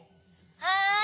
はい。